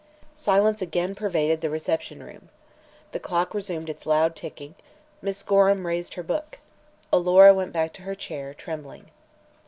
Silence again pervaded the reception room. The clock resumed its loud ticking. Miss Gorham raised her book. Alora went back to her chair, trembling.